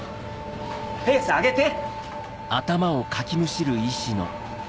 ペース上げて！